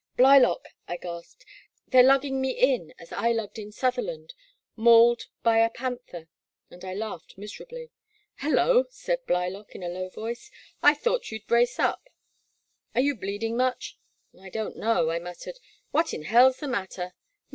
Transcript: Blylock," I gasped, *' they *re lugging me in as I lugged in Sutherland — ^mauled by a pan ther," and I laughed miserably. *' Hello !" said Blylock, in a low voice, I thought you'd brace up ; are you bleeding much ?"*' I don't know," I muttered; '* what, in hell *s the matter?"